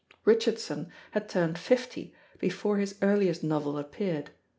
Richardson had turned fifty before his earliest novel appeared.